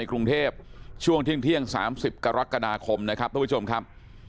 กรุงเทพช่วงเที่ยง๓๐กรกฎาคมนะครับทุกผู้ชมครับ